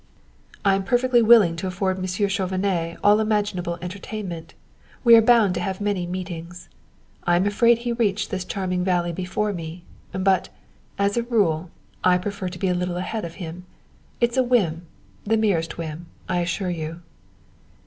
"I am perfectly willing to afford Monsieur Chauvenet all imaginable entertainment. We are bound to have many meetings. I am afraid he reached this charming valley before me; but as a rule I prefer to be a little ahead of him; it's a whim the merest whim, I assure you."